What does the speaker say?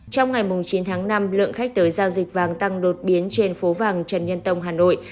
trong ngày chín tháng năm lượng khách tới giao dịch vàng tăng đột biến trên phố vàng trần nhân tông hà nội